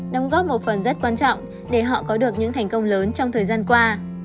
đóng góp một phần rất quan trọng để họ có được những thành công lớn trong thời gian qua